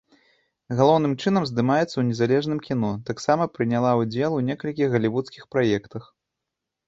Галоўным чынам здымаецца ў незалежным кіно, таксама прыняла ўдзел у некалькіх галівудскіх праектах.